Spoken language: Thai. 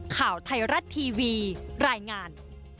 ข่าวไทยรัฐทีวีรายงาน